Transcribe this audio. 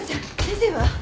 先生は？